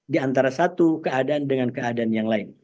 di antara satu keadaan dengan keadaan yang lain